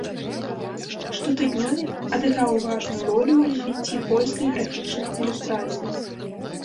Штотыднёвік адыграў важную ролю ў развіцці польскай графічнай ілюстрацыі.